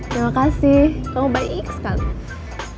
terima kasih kamu baik sekali